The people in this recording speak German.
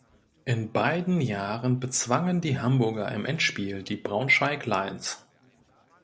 In beiden Jahren bezwangen die Hamburger im Endspiel die Braunschweig Lions.